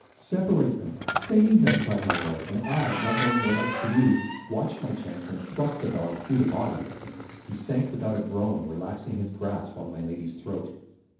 "'Separate them! save them!' cried my lord; and I, not knowing what else to do, watched my chance and thrust the dog through the body. He sank without a groan, relaxing his grasp on my lady's throat.